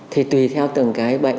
thì tùy theo từng cái bệnh